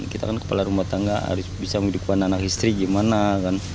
kita kan kepala rumah tangga bisa menghidupkan anak istri gimana kan